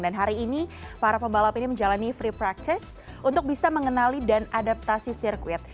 dan hari ini para pembalap ini menjalani free practice untuk bisa mengenali dan adaptasi sirkuit